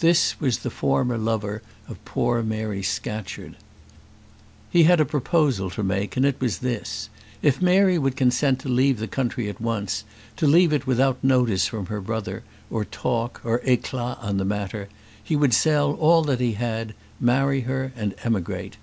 This was the former lover of poor Mary Scatcherd. He had a proposal to make, and it was this: if Mary would consent to leave the country at once, to leave it without notice from her brother, or talk or éclat on the matter, he would sell all that he had, marry her, and emigrate.